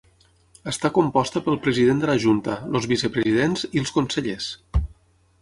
Està composta pel President de la Junta, els Vicepresidents i els Consellers.